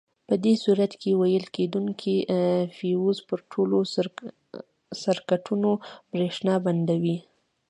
په دې صورت کې ویلې کېدونکي فیوز پر ټولو سرکټونو برېښنا بندوي.